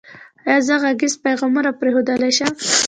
ایا زه غږیز پیغام پریښودلی شم؟